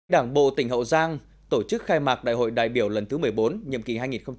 đảng bộ tỉnh hậu giang tổ chức khai mạc đại hội đại biểu lần thứ một mươi bốn nhiệm kỳ hai nghìn hai mươi hai nghìn hai mươi năm